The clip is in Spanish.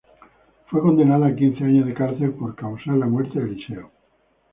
Fue condenada a quince años de cárcel por causar la muerte de Eliseo.